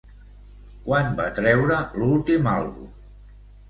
Quan va treure l'últim àlbum?